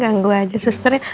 ganggu aja susternya